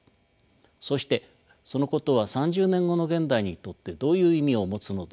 そしてそのことは３０年後の現代にとってどういう意味を持つのでしょうか。